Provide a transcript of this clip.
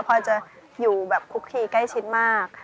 พอจะอยู่แบบคุกคีใกล้ชิดมาก